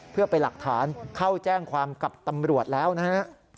เพื่อไปหลักฐานเข้าแจ้งความกับตำรวจแล้วนะฮะ